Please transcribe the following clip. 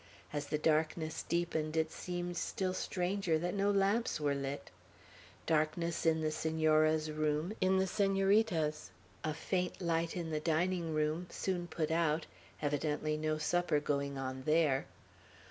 As the darkness deepened, it seemed still stranger that no lamps were lit. Darkness in the Senora's room, in the Senorita's; a faint light in the dining room, soon put out, evidently no supper going on there.